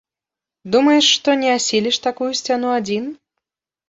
Думаеш, што не асіліш такую сцяну адзін?